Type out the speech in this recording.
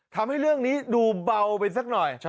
ทำให้เรื่องนี้ดูเบาไปสักหน่อย